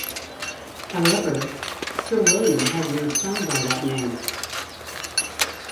However, Sir William had no son by that name.